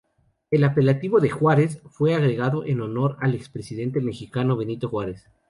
El apelativo "de Juárez", fue agregado en honor al expresidente mexicano Benito Juárez.